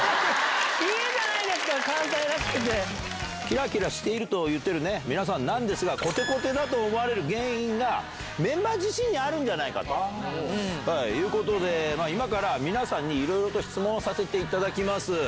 いいじゃないですか、関西らきらきらしていると言ってる皆さんなんですが、こてこてだと思われる原因が、メンバー自身にあるんじゃないかということで、今から皆さんにいろいろと質問させていただきます。